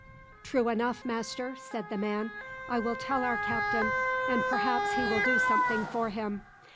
"True enough, master," said the man. "I will tell our captain, and perhaps he will do something for him.